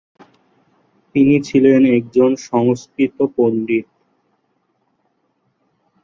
তিনি ছিলেন একজন সংস্কৃত পণ্ডিত।